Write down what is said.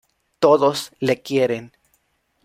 Todos le quieren.